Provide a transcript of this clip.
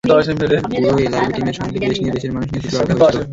পুরো এলআরবি টিমের সঙ্গেই দেশ নিয়ে, দেশের মানুষ নিয়ে প্রচুর আড্ডা হয়েছিল।